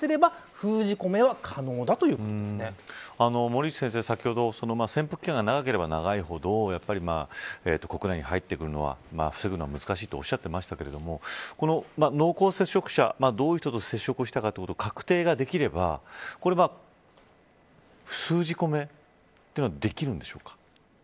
森内先生、先ほど潜伏期間が長ければ長いほど国内に入ってくるのは防ぐのは難しいとおっしゃっていましたがこの濃厚接触者どういう人と接触したかということを確定できればこれは封じ込めというのはできるんでしょうか。